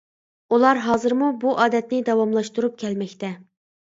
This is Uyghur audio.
ئۇلار ھازىرمۇ بۇ ئادەتنى داۋاملاشتۇرۇپ كەلمەكتە.